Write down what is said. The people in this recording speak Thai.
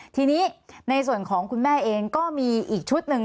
ทีนี้ในส่วนของคุณแม่เองก็มีอีกชุดหนึ่ง